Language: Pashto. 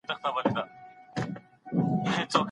که باور نلرئ نو اداکاري وکړئ.